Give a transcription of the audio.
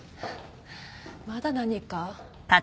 まだ何か？